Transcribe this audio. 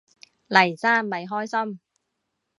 黎生咪開心